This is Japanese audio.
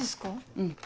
うん。